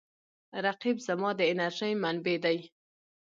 رقیب زما د انرژۍ منبع دی